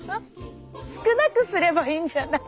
少なくすればいいんじゃない？